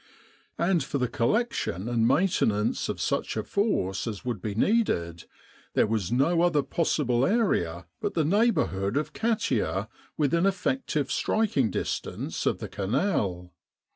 And for the collection and maintenance of such a force as would be needed, there was no other possible area but the neighbourhood of Katia within effective striking distance of the Canal.